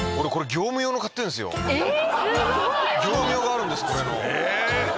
業務用があるんですこれの。